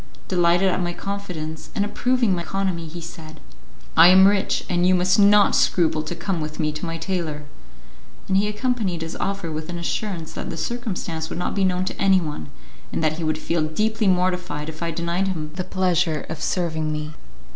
Delighted at my confidence, and approving my economy, he said, "I am rich, and you must not scruple to come with me to my tailor;" and he accompanied his offer with an assurance that the circumstance would not be known to anyone, and that he would feel deeply mortified if I denied him the pleasure of serving me.